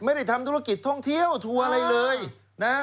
ไม่ได้ทำธุรกิจท่องเที่ยวทัวร์อะไรเลยนะ